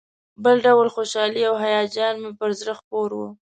بل ډول خوشالي او هیجان مې پر زړه خپور و.